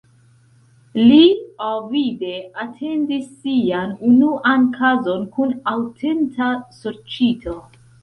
Li avide atendis sian unuan kazon kun aŭtenta sorĉito.